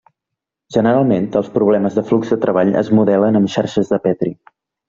Generalment els problemes de flux de treball es modelen amb xarxes de Petri.